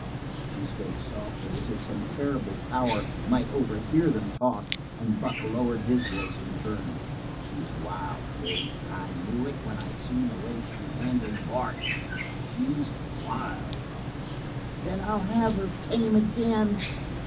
She spoke softly, as if some terrible power might overhear them talk, and Buck lowered his voice in turn. "She's wild, Kate, I knew it when I seen the way she handled Bart. She's wild!" "Then I'll have her tame again."